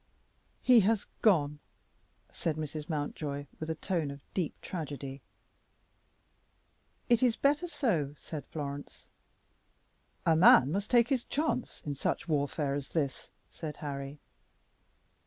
"He has gone!" said Mrs. Mountjoy, with a tone of deep tragedy. "It is better so," said Florence. "A man must take his chance in such warfare as this," said Harry.